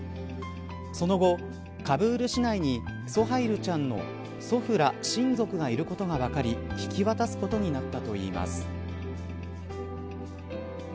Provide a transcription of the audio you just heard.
その後、カブール市内にソハイルちゃんの祖父ら親族がいることが分かり引き渡すことになったといいます。